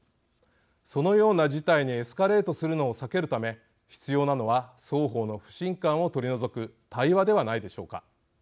そのような事態にエスカレートするのを避けるため必要なのは双方の不信感を取り除く対話ではないでしょうか。